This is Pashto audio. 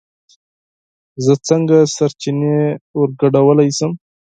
زه څنگه سرچينې ورگډولی شم